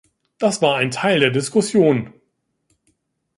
Das war ein Teil der Diskussion.